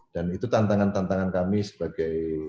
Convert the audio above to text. dan itu tantangan tantangan kami sebagai